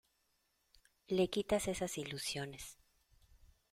le quitas esas ilusiones.